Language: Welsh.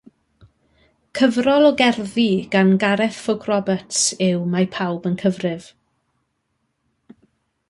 Cyfrol o gerddi gan Gareth Ffowc Roberts yw Mae Pawb yn Cyfrif.